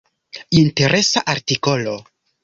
Interesa artikolo.